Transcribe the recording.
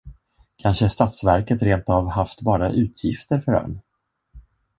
Kanske statsverket rentav haft bara utgifter för ön?